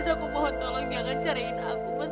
mas aku mohon tolong jangan cairin aku mas